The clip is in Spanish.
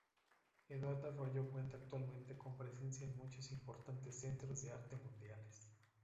Eduardo Arroyo cuenta actualmente con presencia en muchos importantes centros de arte mundiales.